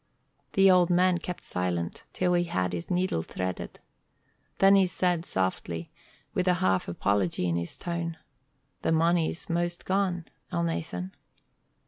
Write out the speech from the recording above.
The old man kept silent till he had his needle threaded. Then he said, softly, with a half apology in his tone, "The money's 'most gone, Elnathan."